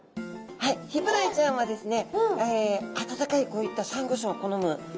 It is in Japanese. はいヒブダイちゃんはですね